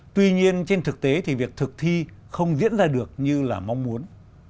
tuy nhiên trên thực tế thì việc thực thi không diễn ra được như là mong muốn